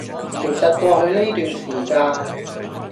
其實過去呢段時間